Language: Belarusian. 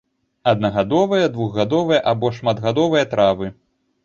Аднагадовыя, двухгадовыя або шматгадовыя травы.